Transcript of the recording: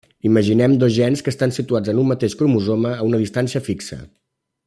Imaginem dos gens que estan situats en un mateix cromosoma a una distància fixa.